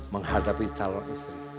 menghadapi calon istri